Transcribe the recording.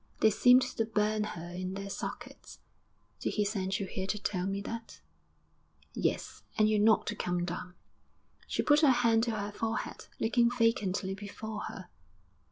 They seemed to burn her in their sockets. 'Did he send you here to tell me that?' 'Yes; and you're not to come down.' She put her hand to her forehead, looking vacantly before her.